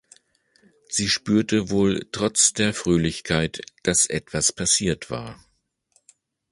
Sie spürte wohl trotz der Fröhlichkeit, dass etwas passiert war.